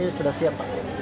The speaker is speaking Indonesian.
berarti sudah siap pak